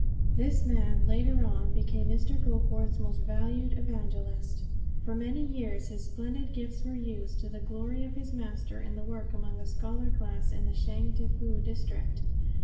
This man, later on, became Mr. Goforth's most valued evangelist. For many years his splendid gifts were used to the glory of his Master in the work among the scholar class in the Changtefu district.